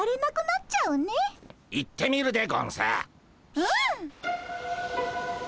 うん。